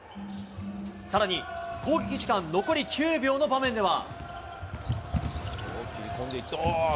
さらに、攻撃時間残り９秒の場面では。